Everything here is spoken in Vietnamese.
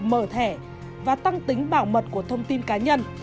mở thẻ và tăng tính bảo mật của thông tin cá nhân